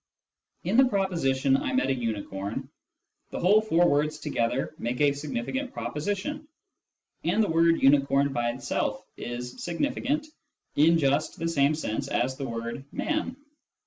In the proposition " I met a unicorn," the whole four words together make a signi ficant proposition, and the word " unicorn " by itself is significant, in just the same sense as the word " man."